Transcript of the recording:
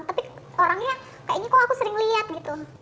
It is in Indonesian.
tapi orangnya kayaknya kok aku sering lihat gitu